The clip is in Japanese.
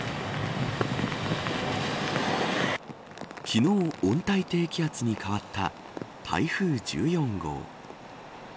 昨日、温帯低気圧に変わった台風１４号。